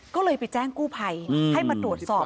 ก็เลยไปแจ้งกู้ภัยให้มาตรวจสอบ